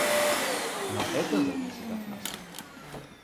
Но это зависит от нас.